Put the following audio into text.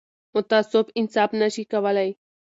متعصب انصاف نه شي کولای